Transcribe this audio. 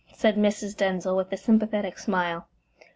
said Mrs. Denzil, with a sympathetic smile.